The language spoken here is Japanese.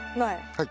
はい。